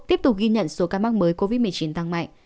tiếp tục ghi nhận số ca mắc mới covid một mươi chín tăng mạnh